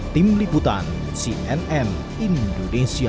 tim liputan cnn indonesia